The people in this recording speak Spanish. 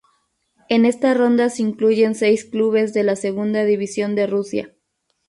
En esta ronda se incluyen seis clubes de la Segunda División de Rusia.